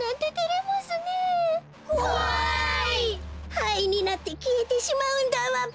はいになってきえてしまうんだわべ！